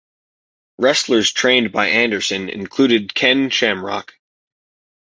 Wrestlers trained by Anderson included Ken Shamrock.